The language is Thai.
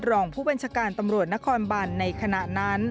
รองผู้บัญชาการตำรวจนครบันในขณะนั้น